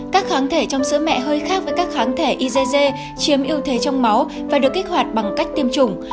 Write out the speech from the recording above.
các kháng thể trong sữa mẹ hơi khác với các kháng thể igc chiếm ưu thế trong máu và được kích hoạt bằng cách tiêm chủng